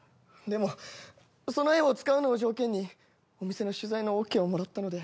でもその絵を使うのを条件にお店の取材のＯＫをもらったので。